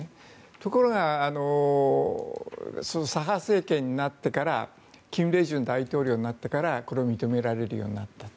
ところが、左派政権になってから金大中大統領になってからこれを認められるようになったと。